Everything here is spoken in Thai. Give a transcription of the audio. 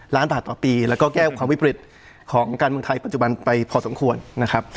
ล้านบาทต่อปีแล้วก็แก้ความวิปริตของการเมืองไทยปัจจุบันไปพอสมควรนะครับ